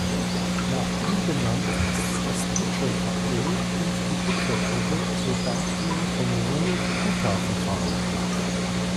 Nach ihm benannt ist das Butcher-Tableau und die Butcher-Gruppe zur Darstellung von Runge-Kutta-Verfahren.